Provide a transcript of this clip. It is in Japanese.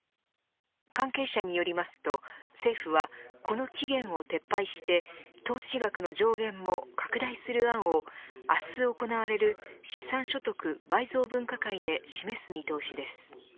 関係者によりますと、政府はこの期限を撤廃して投資額の上限も拡大する案を明日行われる資産所得倍増分科会で示す見通しです。